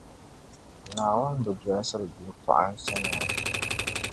Naawuni bi dolsiri bilkɔɣinsinima.